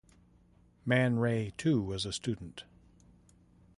Man Ray, too, was a student.